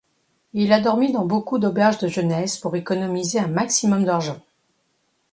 Il a dormi dans beaucoup d'auberges de jeunesse pour économiser un maximum d'argent.